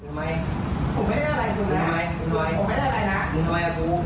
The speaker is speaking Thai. ได้รู้ครับ